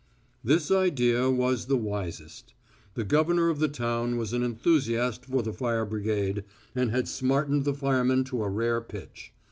This idea was the wisest. The governor of the town was an enthusiast for the fire brigade, and had smartened the firemen to a rare pitch.